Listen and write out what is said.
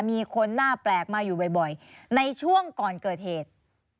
มีคนหน้าแปลกมาอยู่บ่อยในช่วงก่อนเกิดเหตุ